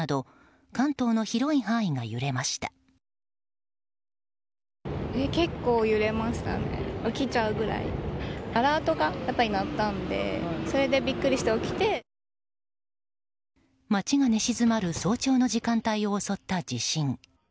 街が寝静まる早朝の時間帯を襲った地震。